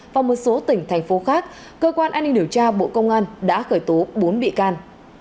và một số tỉnh thành phố khác cơ quan an ninh điều tra bộ công an đã khởi tố bốn bị can